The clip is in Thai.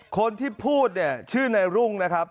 คนที่พูดเนี่ยชื่อในรุ่งนะครับ